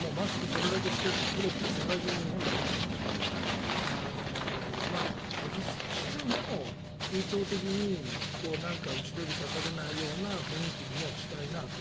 これだけしているところって世界中で日本だけなので外しても風潮的に後ろ指さされないような雰囲気にしたいなと。